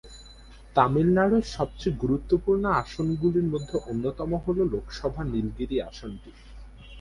তামিলনাড়ুর সবচেয়ে গুরুত্বপূর্ণ আসনগুলির মধ্যে অন্যতম হল লোকসভা নীলগিরি আসনটি।